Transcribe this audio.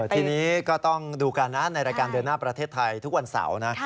ทีนี้ก็ต้องดูกันนะในรายการเดินหน้าประเทศไทยทุกวันเสาร์นะ